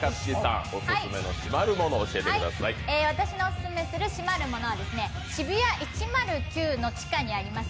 私のオススメする締まるものはＳＨＩＢＵＹＡ１０９の地下にあります